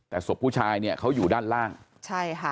แต่ศพผู้ชายเนี่ยเขาอยู่ด้านล่างใช่ค่ะ